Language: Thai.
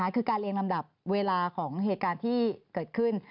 คือการเรียงลำดับเวลาของเหตุการณ์ที่เกิดขึ้น